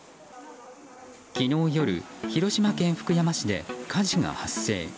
昨日夜広島県福山市で火事が発生。